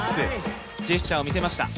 ジェスチャーを見せました。